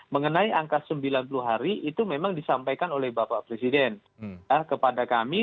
mengenai angka sembilan puluh hari itu memang disampaikan oleh bapak presiden kepada kami